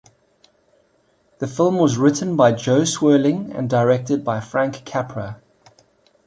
The film was written by Jo Swerling and directed by Frank Capra.